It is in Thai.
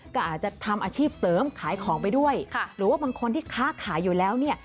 ก็อาจจะทำอาชีพเสริมขายของไปด้วยหรือว่าบางคนที่ค้าขายอยู่แล้วเนี่ย